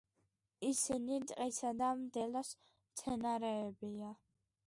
ისინი ტყისა და მდელოს მცენარეებია.